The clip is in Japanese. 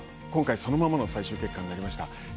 今回そのままの最終結果になりました。